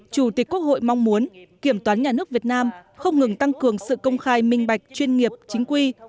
chủ tịch quốc hội mong muốn kiểm toán nhà nước việt nam không ngừng tăng cường sự công khai minh bạch chuyên nghiệp chính quy